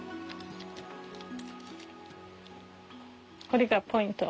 これがポイント。